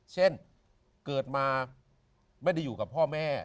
เช่นเกิดมาไม่ได้อยู่กับพ่อแม่